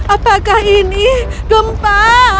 apakah ini gempa